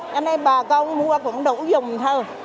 nên bà con mua cũng đủ dùng thôi